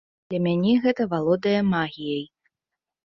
Для мяне гэта валодае магіяй.